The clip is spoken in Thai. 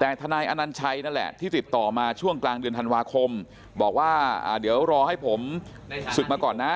แต่ทนายอนัญชัยนั่นแหละที่ติดต่อมาช่วงกลางเดือนธันวาคมบอกว่าเดี๋ยวรอให้ผมศึกมาก่อนนะ